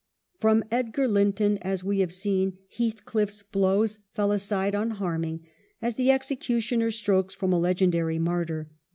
From Edgar Linton, as we have seen, Heathcliffs blows fell aside unharming, as the executioner's strokes from a legendary martyr.